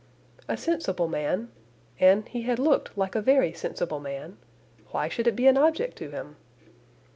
A sensible man, and he had looked like a very sensible man, why should it be an object to him?